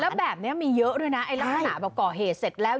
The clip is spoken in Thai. แล้วแบบนี้มีเยอะด้วยนะไอ้ลักษณะแบบก่อเหตุเสร็จแล้ว